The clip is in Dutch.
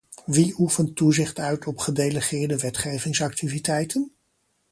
Wie oefent toezicht uit op gedelegeerde wetgevingsactiviteiten?